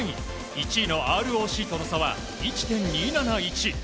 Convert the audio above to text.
１位のＲＯＣとの差は１．２７１。